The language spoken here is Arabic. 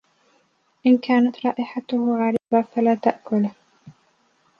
إن كانت رائحتة غريبة، فلا تأكله.